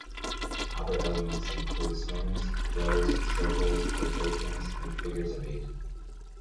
Other elements include swings, throws, circles, rotations and figures of eight.